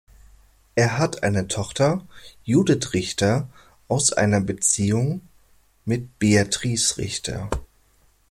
Er hat eine Tochter, Judith Richter, aus einer Beziehung mit Beatrice Richter.